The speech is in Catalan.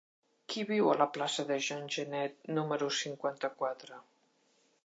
Qui viu a la plaça de Jean Genet número cinquanta-quatre?